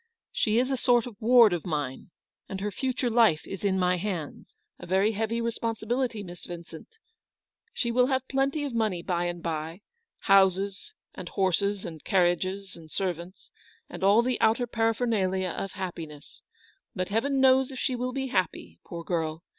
She is a sort of ward of mine, and her future life is in my hands ; a very heavy responsibility, Miss Vincent ; she will have plenty of money by and by — houses, and horses, and carriages, and servants, and all the outer paraphernalia of happiness : but Heaven knows if she will be happy, poor girl.